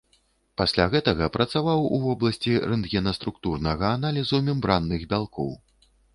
Пасля гэтага працаваў у вобласці рэнтгенаструктурнага аналізу мембранных бялкоў.